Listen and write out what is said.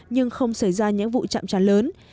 nhưng không xảy ra những vụ chạm tràn lớn